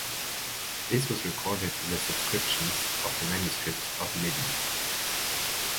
This was recorded in the subscriptions of the manuscripts of Livy.